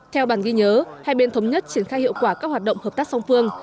theo bản ghi nhớ hai bên thống nhất triển khai hiệu quả các hoạt động hợp tác song phương